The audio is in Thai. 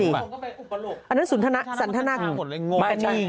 ไม่ได้สิอันนั้นสุธนธนคมสันธนาคม